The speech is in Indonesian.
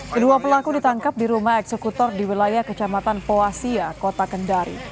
kedua pelaku ditangkap di rumah eksekutor di wilayah kecamatan poasia kota kendari